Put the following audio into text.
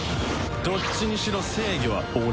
どっちにしろ制御は俺。